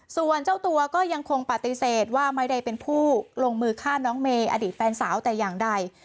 ส่วนเจ้าตัวก็ยังคงปฏิเสธว่าไม่ได้เป็นผู้ลงมือฆ่าน้องเมย์อดีตแฟนสาวแต่อย่างใด